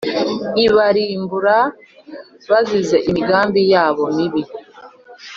ibarimbure bazize imigambi yabo mibi.